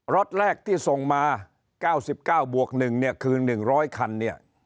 รถแรกที่ส่งมา๙๙บวก๑คือ๑๐๐คัน